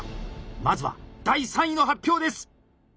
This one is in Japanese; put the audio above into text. まずは第３位の発表です。